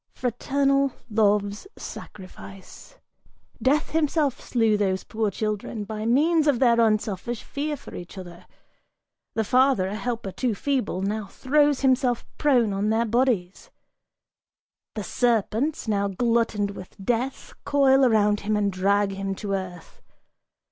Fraternal love's sacrifice! Death himself slew those poor children By means of their unselfish fear for each other! The father, A helper too feeble, now throws himself prone on their bodies: The serpents, now glutted with death, coil around him and drag him To earth!